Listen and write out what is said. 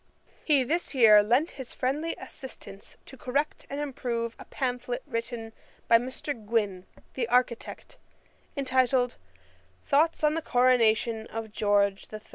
] He this year lent his friendly assistance to correct and improve a pamphlet written by Mr. Gwyn, the architect, entitled, Thoughts on the Coronation of George III.